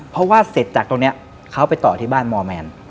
เพราะว่าเสร็จจากตรงนี้เขาไปต่อที่บ้านมอร์แมน